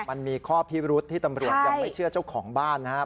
มันมีข้อพิรุษที่ตำรวจยังไม่เชื่อเจ้าของบ้านนะครับ